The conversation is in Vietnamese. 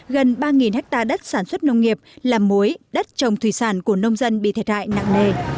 gần ba ha đất sản xuất nông nghiệp làm muối đất trồng thủy sản của nông dân bị thiệt hại nặng nề